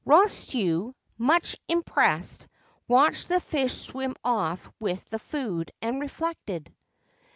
Rosetsu, much impressed, watched the fish swim off with the food, and reflected.